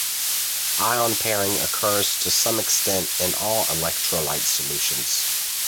Ion pairing occurs to some extent in all electrolyte solutions.